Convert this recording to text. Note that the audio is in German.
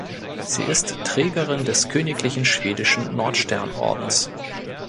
Sie ist Trägerin des königlichen schwedischen Nordstern-Ordens.